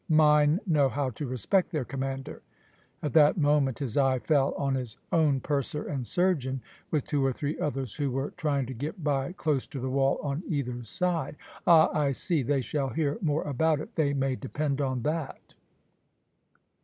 Mine know how to respect their commander." At that moment his eye fell on his own purser and surgeon, with two or three others who were trying to get by close to the wall on either side. "Ah! I see; they shall hear more about it, they may depend on that!"